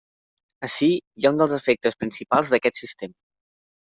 Ací hi ha un dels defectes principals d'aquest sistema.